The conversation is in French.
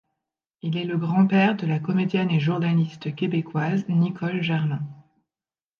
Il est le grand-père de la comédienne et journaliste québécoise Nicole Germain.